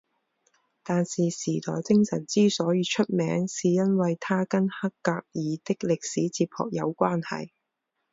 但是时代精神之所以出名是因为它跟黑格尔的历史哲学有关系。